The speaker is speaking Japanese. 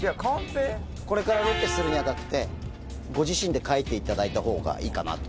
これからロケするに当たってご自身で書いていただいたほうがいいかなと。